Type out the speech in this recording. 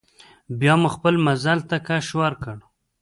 بیا مو خپل مزل ته کش ورکړ.